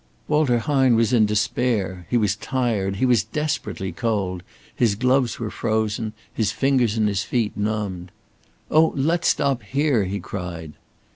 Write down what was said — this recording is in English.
Walter Hine was in despair. He was tired, he was desperately cold, his gloves were frozen, his fingers and his feet benumbed. "Oh, let's stop here!" he cried.